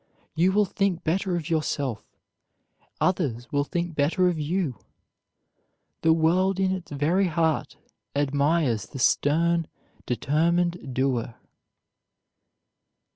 You will think better of yourself; others will think better of you. The world in its very heart admires the stern, determined doer.